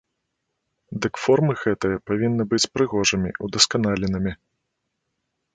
Дык формы гэтыя павінны быць прыгожымі, удасканаленымі.